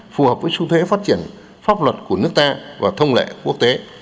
phù hợp với xu thế phát triển pháp luật của nước ta và thông lệ quốc tế